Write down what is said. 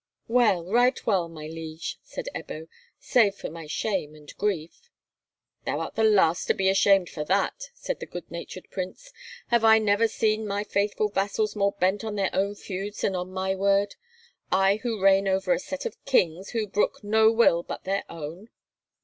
"Well, right well, my liege," said Ebbo, "save for my shame and grief." "Thou art the last to be ashamed for that," said the good natured prince. "Have I never seen my faithful vassals more bent on their own feuds than on my word?—I who reign over a set of kings, who brook no will but their own."